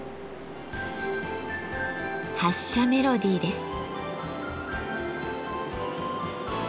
発車メロディーです。